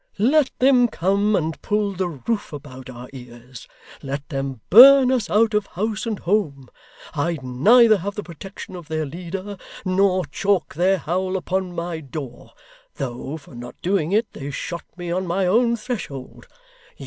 Let them come and pull the roof about our ears; let them burn us out of house and home; I'd neither have the protection of their leader, nor chalk their howl upon my door, though, for not doing it, they shot me on my own threshold.